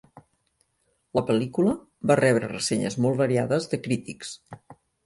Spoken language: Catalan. La pel·lícula va rebre ressenyes molt variades de crítics.